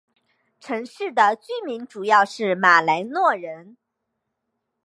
城市的居民主要是马来诺人。